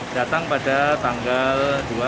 datang pada tanggal